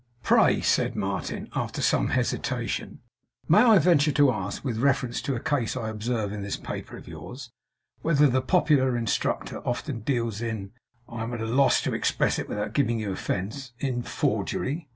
'Pray,' said Martin, after some hesitation, 'may I venture to ask, with reference to a case I observe in this paper of yours, whether the Popular Instructor often deals in I am at a loss to express it without giving you offence in forgery?